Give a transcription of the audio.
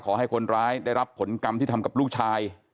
ขอให้คนร้ายได้รับผลกรรมที่ทำกับลูกชาย